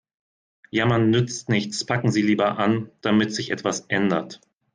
Jammern nützt nichts, packen Sie lieber an, damit sich etwas ändert.